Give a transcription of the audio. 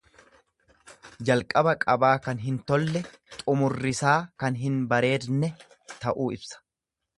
Jalqaba qabaa kan hin tolle, xumurrisaa kan hin bareedne ta'uu ibsa.